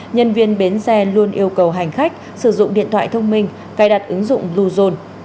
nhân viên bến xe luôn yêu cầu hành khách sử dụng điện thoại thông minh cài đặt ứng dụng bluezone